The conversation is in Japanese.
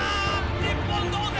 日本同点。